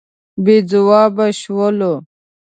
بې ځوابه شولو.